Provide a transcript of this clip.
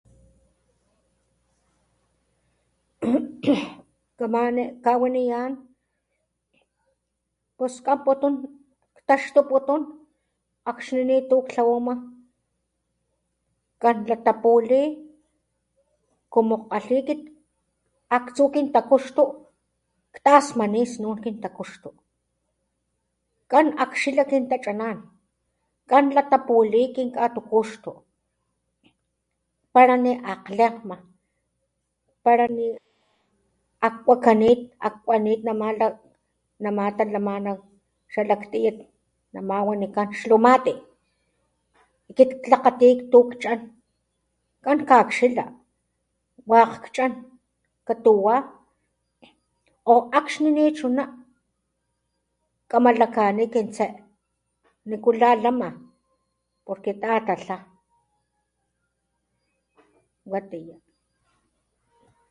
Kamane kawaniyan pus kanputun ktaxtuputun akxni nitu ktlawama kan latapluli como jkgali kit aktsu kintakuxtu ktasmani snun kintakuxtu kan akxila kin tachanan kan latapuli kinkatukuxtu pala niakglenkgma pala niakwakanit akwakanit nama talamana xalak tiyat nama wanikan xlumati kit klakgati tukchan kan kakxila wajkg kchan katuwa o akxni ni chuna kama lakani kin tse nikula lama porque tatatla watiya.